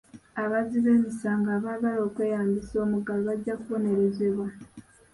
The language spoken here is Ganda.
Abazzi b'emisango abaagala okweyambisa omuggalo bajja kubonerezebwa.